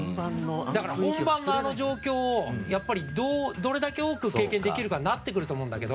本番の、あの状況をどれだけ多く経験できるかになってくると思うんだけど。